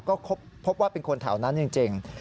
ก็พบว่าเป็นคนแถวนั้นจริง